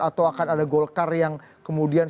atau akan ada golkar yang kemudian